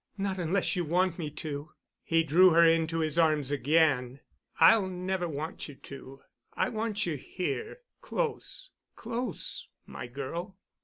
"Not unless you want me to." He drew her into his arms again. "I'll never want you to. I want you here—close—close—my girl."